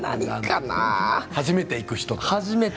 初めて行く人と。